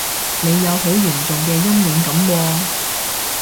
你有好嚴重嘅陰影噉喎